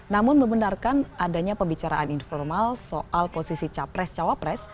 namun membenarkan adanya pembicaraan informal soal posisi capres cawapres